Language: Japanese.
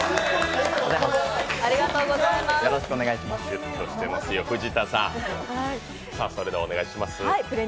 シュッとしてますよフジタさん。